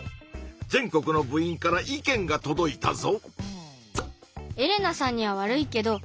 全国の部員から意見がとどいたぞ！